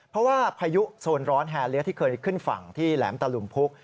เพราะว่าพายุโซนร้อนแฮเลียที่เคยขึ้นฝั่งที่แหลมตะลุมพุก